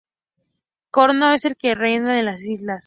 Crono es el que reina en las islas.